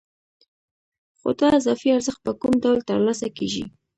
خو دا اضافي ارزښت په کوم ډول ترلاسه کېږي